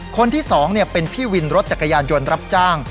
คนที่๒เป็นพี่วินรถจักรยานยนต์รับจ้าง